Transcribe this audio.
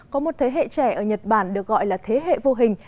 có một thế hệ trẻ ở nhật bản được gọi là thế hệ vô hình